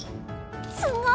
すごい！